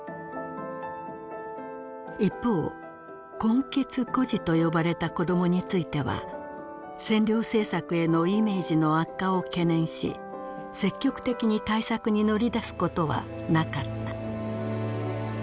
一方混血孤児とよばれた子どもについては占領政策へのイメージの悪化を懸念し積極的に対策に乗り出すことはなかった。